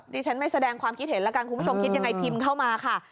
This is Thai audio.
ดิฉันไม่แสดงความคิดเห็นแล้วกันคุณผู้ชมคิดยังไงพิมพ์เข้ามาค่ะ